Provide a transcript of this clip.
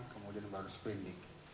kemudian baru berindik